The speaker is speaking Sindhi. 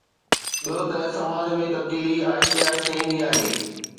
ٻيو ته سماج ۾ تبديلي آهستي آهستي ايندي آهي.